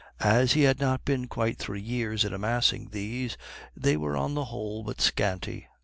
As he had not been quite three years in amassing these, they were on the whole but scanty.